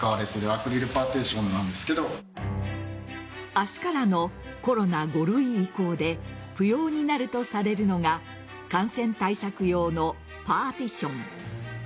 明日からのコロナ５類移行で不要になるとされるのが感染対策用のパーティション。